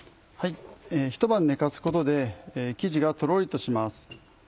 ひと晩寝かすことで生地がとろりとします。